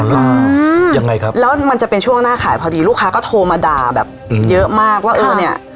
อ่ายังไงครับแล้วมันจะเป็นช่วงหน้าขายพอดีลูกค้าก็โทรมาด่าแบบเยอะมากว่าเออเนี้ย